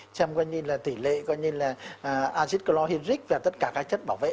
xem coi như là tỷ lệ coi như là acid chlorhydric và tất cả các chất bảo vệ